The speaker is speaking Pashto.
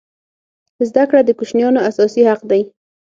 زده کړه د کوچنیانو اساسي حق دی.